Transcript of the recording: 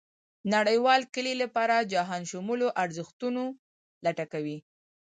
نړېوال کلي لپاره جهانشمولو ارزښتونو لټه کوي.